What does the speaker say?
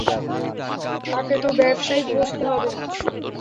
তাকে তো ব্যবসায়ই বসতে হবে।